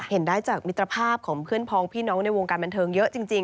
เห็นได้จากมิตรภาพของเพื่อนพองพี่น้องในวงการบันเทิงเยอะจริง